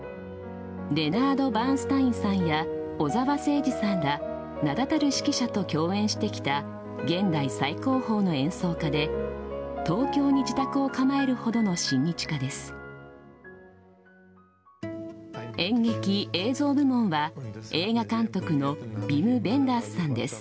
レナード・バーンスタインさんや小澤征爾さんら名だたる指揮者と共演してきた現代最高峰の演奏家で東京に自宅を構えるほどの親日家です。